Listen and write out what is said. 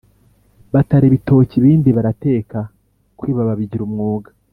batara ibitoki ibindi barateka kwiba babigira umwuga .